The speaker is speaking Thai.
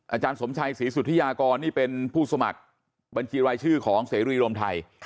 อาจารย์สมชัยศรีสุธิยากรนี่เป็นผู้สมัครบัญชีรายชื่อของเสรีรวมไทย